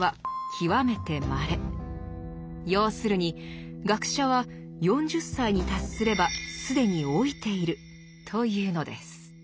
要するに「学者は４０歳に達すれば既に老いている」というのです。